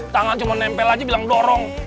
tangan cuma nempel aja bilang dorong